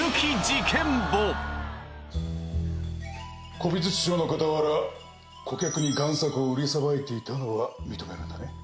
古美術商の傍ら顧客に贋作を売りさばいていたのは認めるんだね。